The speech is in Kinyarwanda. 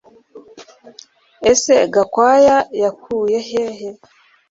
Ese Gakwaya yakuye hehe